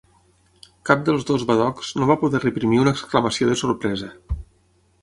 Cap dels dos badocs no va poder reprimir una exclamació de sorpresa.